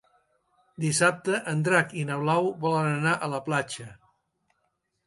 Dissabte en Drac i na Blau volen anar a la platja.